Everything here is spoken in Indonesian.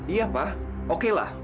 iya pa oke lah